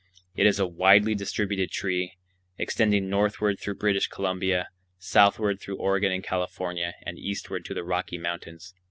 It is a widely distributed tree, extending northward through British Columbia, southward through Oregon and California, and eastward to the Rocky Mountains.